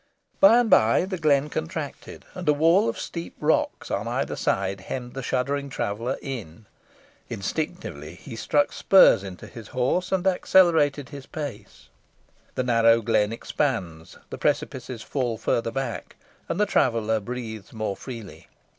By and by, the glen contracted, and a wall of steep rocks on either side hemmed the shuddering traveller in. Instinctively, he struck spurs into his horse, and accelerated his pace. The narrow glen expands, the precipices fall further back, and the traveller breathes more freely.